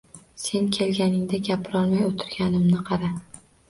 Sen kelganingda gapirolmay o‘tirganimni qara